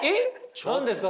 何ですか？